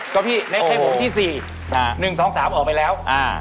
ก็พี่ในให้ผมที่๔๑๒๓ออกไปแล้ว